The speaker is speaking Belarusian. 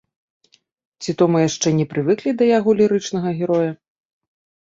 Ці то мы яшчэ не прывыклі да яго лірычнага героя?